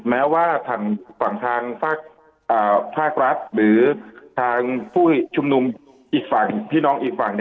แม้ว่าทางฝั่งทางภาครัฐหรือทางผู้ชุมนุมอีกฝั่งพี่น้องอีกฝั่ง